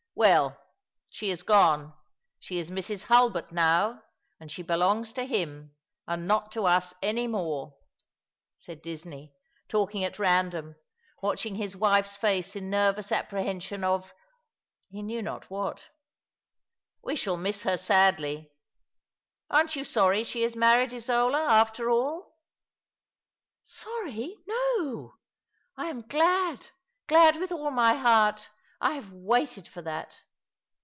""Well, she is gone — she is Mrs. Hnlbert now, and she belongs to him and not to ns any more," said Disney, talking at random, watching his wife's face in neryons apprehension of — he knew not what. " We shall miss her sadly. Aren't yon sorry she is married, Isola, after all ?" "Sorry! No! I am glad — glad with all my heart. 1 have waited for that."